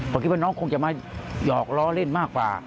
ผมคิดว่าน้องคงจะมาหยอกล้อเล่นมากกว่า